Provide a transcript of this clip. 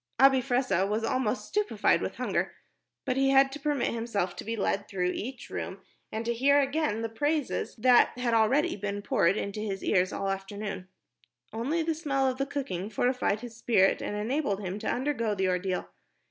Abi Fressah was almost stupified with hunger, but he had to permit himself to be led through each room and to hear again the praises that had already been poured into his ears all the afternoon. Only the smell of the cooking fortified his spirit and enabled him to undergo the ordeal.